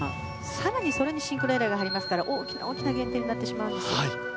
更にそれにシンクロエラーが入りますから大きな大きな減点になってしまうんです。